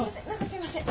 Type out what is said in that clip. すいません。